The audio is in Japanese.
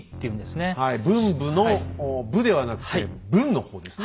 文武の「武」ではなくて「文」の方ですね。